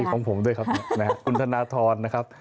ของผมด้วยครับคุณธนทรนะครับ